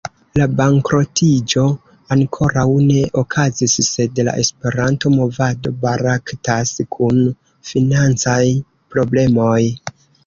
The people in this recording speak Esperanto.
La bankrotiĝo ankoraŭ ne okazis, sed la Esperanto-movado baraktas kun financaj problemoj.